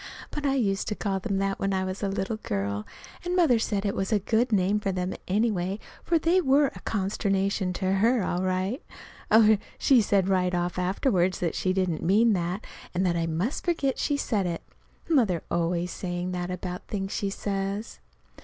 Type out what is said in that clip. But I used to call them that when I was a little girl, and Mother said it was a good name for them, anyway, for they were a consternation to her all right. Oh, she said right off afterward that she didn't mean that, and that I must forget she said it. Mother's always saying that about things she says.